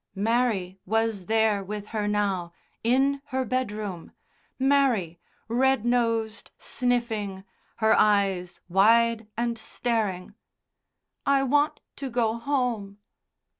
Mary was there with her now, in her bedroom. Mary, red nosed, sniffing, her eyes wide and staring. "I want to go home."